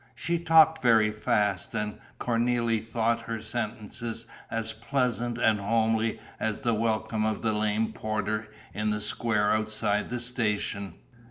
She talked very fast; and Cornélie thought her sentences as pleasant and homely as the welcome of the lame porter in the square outside the station.